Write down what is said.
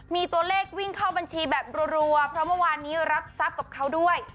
มีตัวเลขวิ่งเข้าบัญชีแบบรัวเพราะเมื่อวานนี้รับทรัพย์กับเขาด้วย